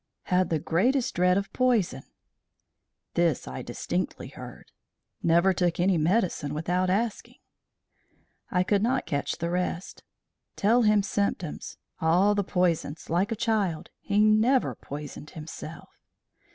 "Had the greatest dread of poison " This I distinctly heard "Never took any medicine without asking " I could not catch the rest. "Tell him symptoms all the poisons like a child he never poisoned himself."